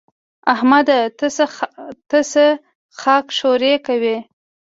احمده! ته څه خاک ښوري کوې؟